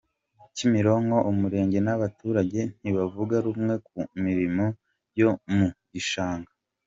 Kimironko Umurenge n’abaturage ntibavuga rumwe ku mirimo yo mu gishanga